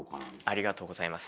ありがとうございます。